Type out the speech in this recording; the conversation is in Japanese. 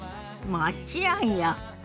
もちろんよ。